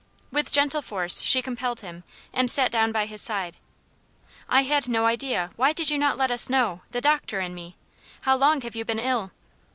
With gentle force she compelled him, and sat down by his side. "I had no idea why did you not let us know the doctor and me? How long have you been ill?"